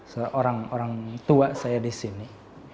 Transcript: seorang orang tua saya di sini